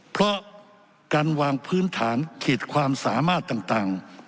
เพราะการวางพื้นฐานเขตความสามารถต่าง